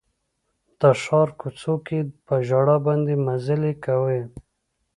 د ښار کوڅو کې په ژړا باندې مزلې کوي